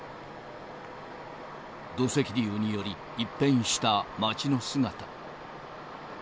土石流により、一変した街の姿。